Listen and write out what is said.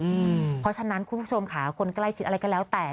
เพราะฉะนั้นคุณผู้ชมค่ะคนใกล้ชิดอะไรก็แล้วแต่